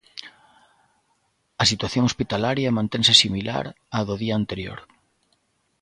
A situación hospitalaria mantense similar á do día anterior.